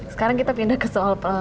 sekarang kita pindah ke soal